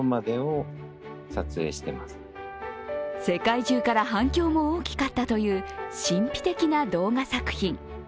世界中から反響も大きかったという神秘的な動画作品。